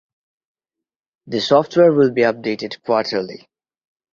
The software will be updated quarterly.